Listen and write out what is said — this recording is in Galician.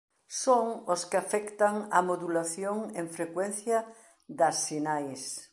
Son os que afectan á modulación en frecuencia das sinais.